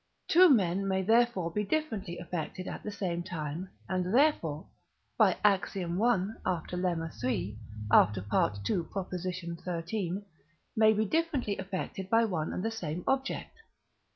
Two men may therefore be differently affected at the same time, and therefore (by Ax. i. after Lemma iii. after II. xiii.) may be differently affected by one and the same object.